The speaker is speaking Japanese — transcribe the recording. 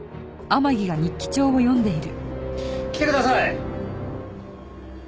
来てください！